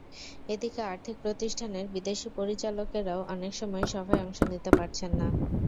এদিকে আর্থিক প্রতিষ্ঠানের বিদেশি পরিচালকেরাও অনেক সময় সভায় অংশ নিতে পারছেন না।